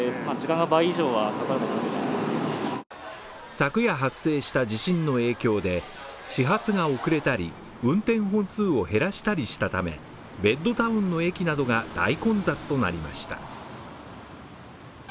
昨夜発生した地震の影響で始発が遅れたり運転本数を減らしたりしたため、ベッドタウンの駅などが大混雑となりました。